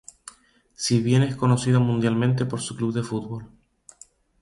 Si bien es conocida mundialmente por su club de fútbol.